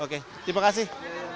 oke terima kasih